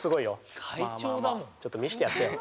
ちょっと見してやってよ！